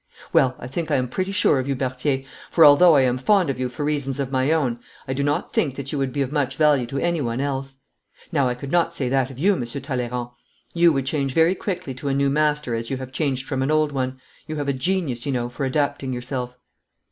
'Well, I think I am pretty sure of you, Berthier, for although I am fond of you for reasons of my own I do not think that you would be of much value to anyone else. Now I could not say that of you, Monsieur Talleyrand. You would change very quickly to a new master as you have changed from an old one. You have a genius, you know, for adapting yourself.'